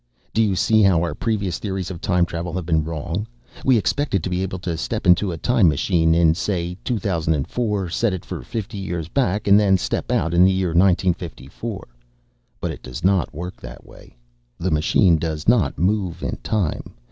"Do you see how our previous theories of time travel have been wrong? We expected to be able to step into a time machine in, say, 2004, set it for fifty years back, and then step out in the year 1954 ... but it does not work that way. The machine does not move in time.